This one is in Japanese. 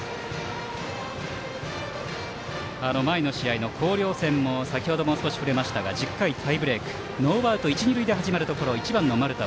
前の試合の広陵戦も１０回タイブレークノーアウト一二塁で始まるところ１番の丸田